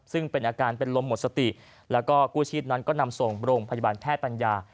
ซึ่งเป็นอาการเป็นลมหมดสติแล้วก็กู้ชีพนั้นก็นำส่งโรงพยาบาลแพทย์ปัญญา